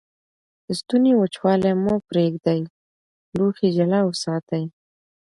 د ستوني وچوالی مه پرېږدئ. لوښي جلا وساتئ.